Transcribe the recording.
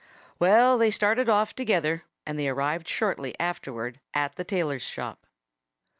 Well, they started off together; and they arrived shortly afterward at the tailor's shop.